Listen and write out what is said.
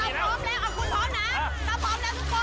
อย่างคุณไปจบ